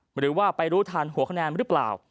หรือว่าไปรู้ทันหัวคะแนนหรือเปล่า